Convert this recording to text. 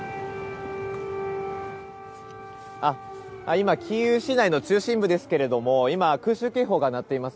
今、キーウ市内の中心部ですけど空襲警報が鳴っています。